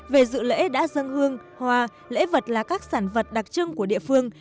về dự lễ đã dân hương hoa lễ vật là các sản vật đặc trưng của địa phương